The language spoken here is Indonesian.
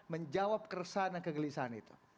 menjawab keresahan dan kegelisahan itu